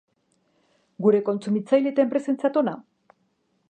Gure kontsumitzaile eta enpresentzat ona.